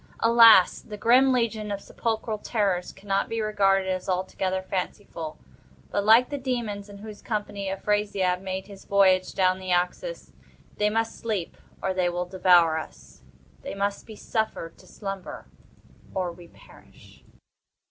Alas! the grim legion of sepulchral terrors cannot be regarded as altogether fanciful—but, like the Demons in whose company Afrasiab made his voyage down the Oxus, they must sleep, or they will devour us—they must be suffered to slumber, or we perish.